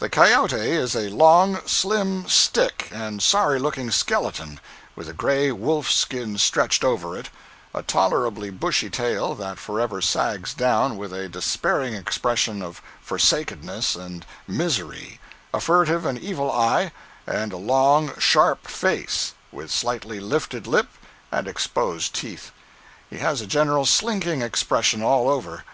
The cayote is a long, slim, sick and sorry looking skeleton, with a gray wolf skin stretched over it, a tolerably bushy tail that forever sags down with a despairing expression of forsakenness and misery, a furtive and evil eye, and a long, sharp face, with slightly lifted lip and exposed teeth. He has a general slinking expression all over.